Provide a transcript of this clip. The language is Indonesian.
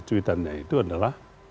tweetannya itu adalah